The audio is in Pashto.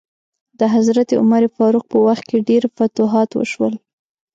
د حضرت عمر فاروق په وخت کې ډیر فتوحات وشول.